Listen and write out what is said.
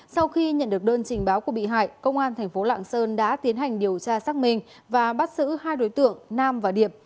sau khi nhận được đơn trình báo của bị hại công an thành phố lạng sơn đã tiến hành điều tra xác minh và bắt xử hai đối tượng nam và điệp